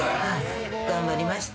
頑張りました。